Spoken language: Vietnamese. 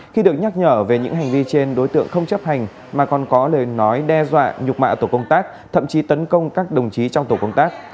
khi được nhắc nhở về những hành vi trên đối tượng không chấp hành mà còn có lời nói đe dọa nhục mạ tổ công tác thậm chí tấn công các đồng chí trong tổ công tác